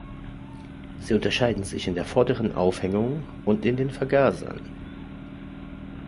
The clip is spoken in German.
Sie unterscheiden sich in der vorderen Aufhängung und in den Vergasern.